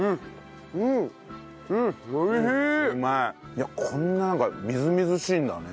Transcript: いやこんななんかみずみずしいんだね。